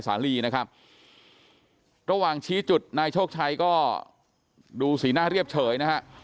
สาลีนะครับระหว่างชี้จุดนายโชคชัยก็ดูสีหน้าเรียบเฉยนะฮะ